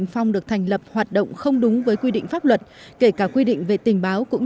phong được thành lập hoạt động không đúng với quy định pháp luật kể cả quy định về tình báo cũng